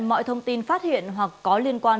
mọi thông tin phát hiện hoặc có liên quan